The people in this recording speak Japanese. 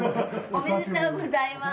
おめでとうございます！